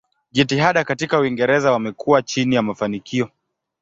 Jitihada katika Uingereza wamekuwa chini ya mafanikio.